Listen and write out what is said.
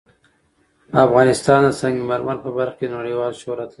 افغانستان د سنگ مرمر په برخه کې نړیوال شهرت لري.